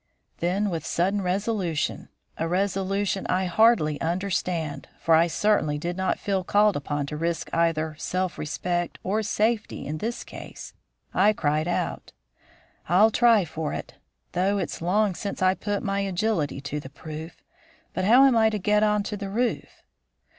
Then with sudden resolution a resolution I hardly understand, for I certainly did not feel called upon to risk either self respect or safety in this cause I cried out: "I'll try for it; though it's long since I put my agility to the proof. But how am I to get onto the roof?"